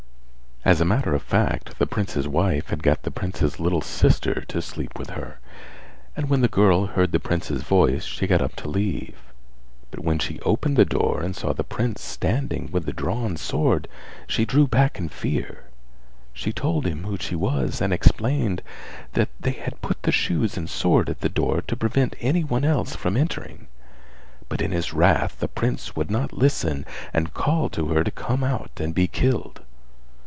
As a matter of fact the Prince's wife had got the Prince's little sister to sleep with her, and when the girl heard the Prince's voice she got up to leave; but when she opened the door and saw the Prince standing with the drawn sword she drew back in fear; she told him who she was and explained that they had put the shoes and sword at the door to prevent anyone else from entering; but in his wrath the Prince would not listen and called to her to come out and be killed.